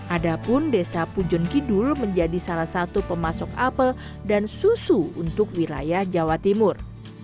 adapun desa pujon kidul menjadi salah satu pemasok apel dan susu untuk wilayah jawa timur